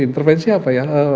intervensi apa ya